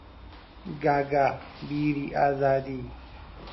گاگا بیری ئازادی